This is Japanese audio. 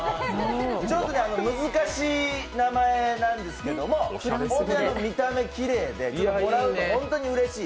ちょっと難しい名前なんですけども、見た目きれいで、もらうと本当にうれしい。